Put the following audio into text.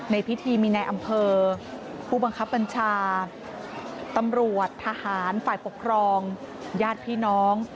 ในพิธีมีในอำเภอผู้บังคับบัญชาตำรวจทหารฝ่ายปกครองญาติพี่น้อง